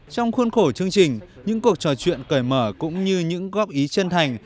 trong khuôn khổ chương trình những cuộc trò chuyện cởi mở cũng như những góp ý chân thành